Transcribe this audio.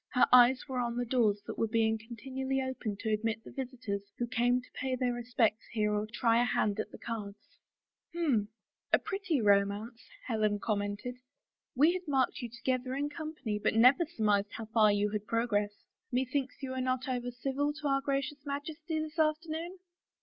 Her eyes were on the doors that were being continually opened to admit the visitors who came to pay their respects here or try a hand at the cards. " H'm — a pretty romance," Helen commented. " We had marked you together in company but never surmised how far you had progressed. ... Methinks you were not over civil to our Gracious Majesty this afternoon?